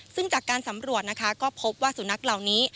ซึ่งจากการสำรวจนะคะก็พบว่าสุนัขเหล่านี้